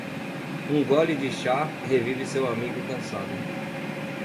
Um gole de chá revive seu amigo cansado.